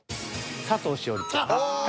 佐藤栞里ちゃん。